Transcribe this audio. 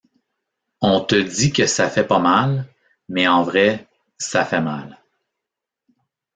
On te dit que ça fait pas mal, mais en vrai ça fait mal.